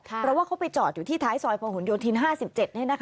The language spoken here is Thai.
เพราะว่าเขาไปจอดอยู่ที่ท้ายซอยฝ่าหุ่นยนต์ทีน๕๗นี่นะคะ